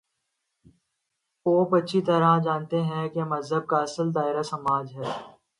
Pope اچھی طرح جانتے ہیں کہ مذہب کا اصل دائرہ سماج ہے۔